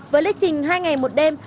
với lịch trình hai ngày một đêm